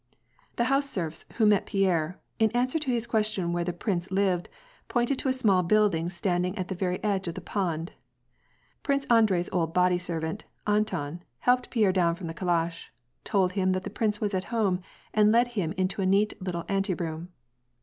The house serfs who met Pierre, in answer to his question where the prince lived, pointed to a small building standing at the very edge of the pond. Prince Andrei's old body servant, Anton, helped Pierre down from the calash, told him that the prince was at home, and led him into a neat little anteroom.